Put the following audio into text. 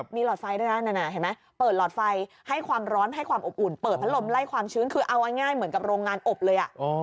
มีหลอดไฟด้วยนะเห็นไหมเปิดหลอดไฟให้ความร้อนให้ความอบอุ่นเปิดพัดลมไล่ความชื้นคือเอาง่ายเหมือนกับโรงงานอบเลย